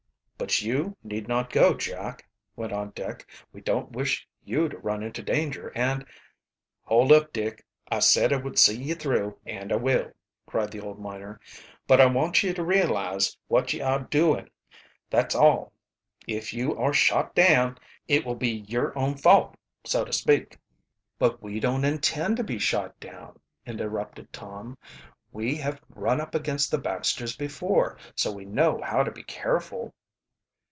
"But you need not go Jack." went on Dick. "We don't wish you to run into danger, and " "Hold up, Dick, I said I would see ye through, and I will," cried the old miner. "But I want ye to realize what ye are doing, that's all. If you are shot down it will be yer own fault, so to speak." "But we don't intend to be shot down," interrupted Tom. "We have run up against the Baxters before, so we know how to be careful."